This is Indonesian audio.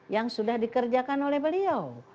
yang sudah dikerjakan oleh beliau